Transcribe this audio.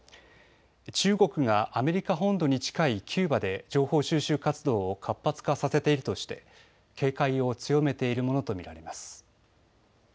中国がアメリカ本土に近いキューバで情報収集活動を活発化させているとして警戒を強めているものと見られます。